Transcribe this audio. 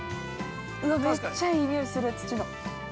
◆うわっ、めっちゃいい匂いする土の。